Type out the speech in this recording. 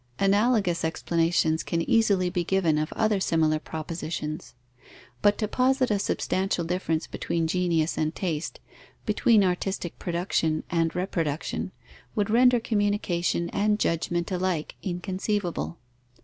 Analogous explanations can easily be given of other similar propositions. But to posit a substantial difference between genius and taste, between artistic production and reproduction, would render communication and judgment alike inconceivable.